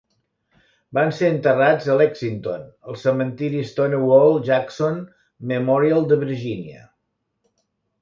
Va ser enterrat a Lexington, al cementiri Stonewall Jackson Memorial de Virgínia.